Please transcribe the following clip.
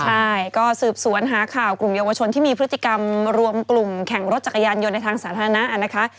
ใช่ก็สืบสวนหาข่าวกลุ่มเยาวชนที่มีพฤติกรรมรวมกลุ่มแข่งรถจักรยานยนต์ในทางสาธารณะนะคะ